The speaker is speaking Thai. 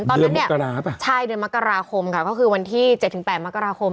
เดือนมักราภักดิ์ป่ะใช่เดือนมักราคมค่ะก็คือวันที่๗๘มักราคม